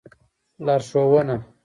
لار ښوونه